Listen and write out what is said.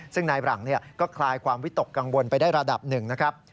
ซึ่งนายหลังก็คลายความวิตกกังวลไปได้ระดับหนึ่งนะครับ